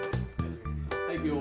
はいいくよ。